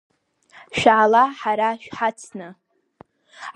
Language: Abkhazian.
Шәаала ҳара шәҳацны!